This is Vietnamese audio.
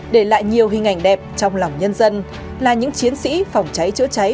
để lại nhiều hình ảnh đẹp trong lòng nhân dân là những chiến sĩ phòng cháy chữa cháy